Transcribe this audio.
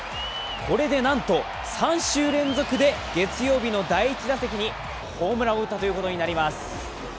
これでなんと３週連続で月曜日の第１打席にホームランを打ったことになります。